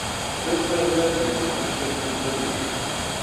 یو کارغه په یوه دښته کې تږی شو.